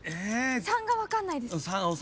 ３が分かんないです。